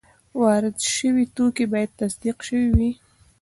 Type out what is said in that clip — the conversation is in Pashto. وارد شوي توکي باید تصدیق شوي وي.